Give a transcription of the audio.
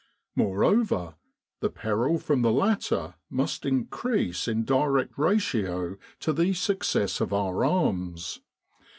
Moreover, the peril from the latter must increase in direct ratio to the success of our arms.